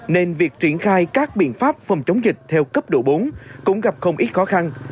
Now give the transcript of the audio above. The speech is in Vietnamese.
nên việc triển khai các biện pháp phòng chống dịch theo cấp độ bốn cũng gặp không ít khó khăn